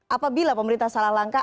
apabila pemerintah salah langkah